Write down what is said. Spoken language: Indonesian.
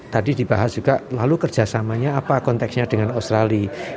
tadi dibahas juga lalu kerjasamanya apa konteksnya dengan australia